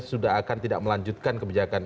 sudah akan tidak melanjutkan kebijakan